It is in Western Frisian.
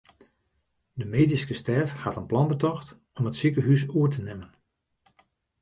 De medyske stêf hat in plan betocht om it sikehús oer te nimmen.